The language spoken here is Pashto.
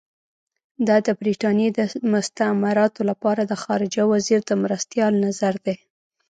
دا د برټانیې د مستعمراتو لپاره د خارجه وزیر د مرستیال نظر دی.